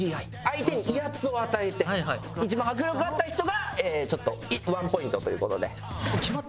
相手に威圧を与えて一番迫力があった人がちょっと１ポイントという事で。